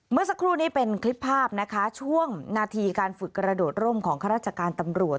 เมื่อสักครู่นี้เป็นคลิปภาพนะคะช่วงนาทีการฝึกกระโดดร่มของข้าราชการตำรวจ